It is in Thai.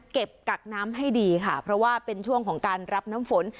กักน้ำให้ดีค่ะเพราะว่าเป็นช่วงของการรับน้ำฝน